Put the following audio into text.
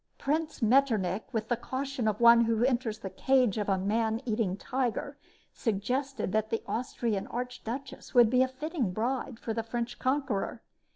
Prince Metternich, with the caution of one who enters the cage of a man eating tiger, suggested that the Austrian archduchess would be a fitting bride for the French conqueror.